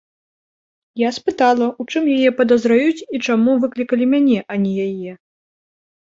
Я спытала, у чым яе падазраюць і чаму выклікалі мяне, а не яе.